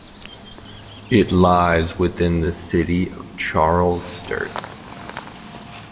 It lies within the City of Charles Sturt.